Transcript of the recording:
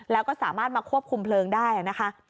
แล้วก็สามารถมาควบคุมเพลิงได้นะคะ